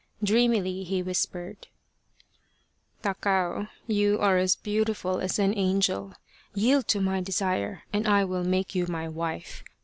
Dreamily he whispered :" Takao, you are as beautiful as an angel. Yield to my desire and I will make you my wife.